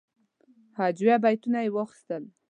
هجویه بیتونه یې واخیستل.